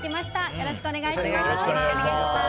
よろしくお願いします。